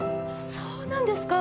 そうなんですか！